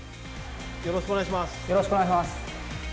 よろしくお願いします。